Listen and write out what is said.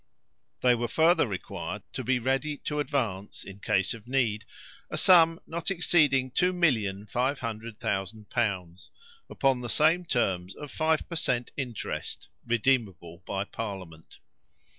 They were further required to be ready to advance, in case of need, a sum not exceeding 2,500,000l. upon the same terms of five per cent interest, redeemable by parliament.